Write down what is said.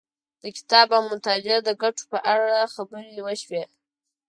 د کتاب او مطالعې د ګټو په اړه خبرې وشوې.